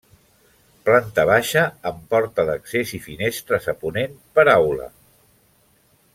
Planta baixa amb porta d'accés i finestres a ponent per aula.